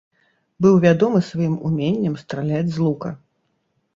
Быў вядомы сваім уменнем страляць з лука.